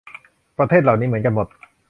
ประเทศเหล่านี้เหมือนกันหมด